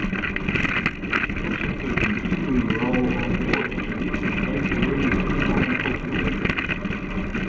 Because of her continuing role on television, Blake rarely had time for films.